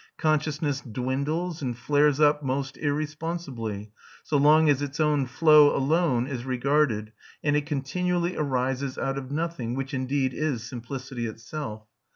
Consciousness dwindles and flares up most irresponsibly, so long as its own flow alone is regarded, and it continually arises out of nothing, which indeed is simplicity itself.